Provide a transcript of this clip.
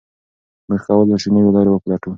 موږ کولای شو نوي لارې وپلټو.